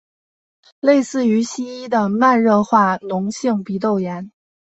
类似于西医的慢性化脓性鼻窦炎。